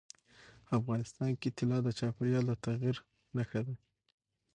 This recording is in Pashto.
افغانستان کې طلا د چاپېریال د تغیر نښه ده.